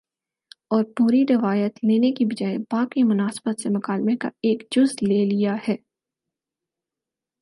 اور پوری روایت لینے کے بجائے باب کی مناسبت سے مکالمے کا ایک جز لے لیا ہے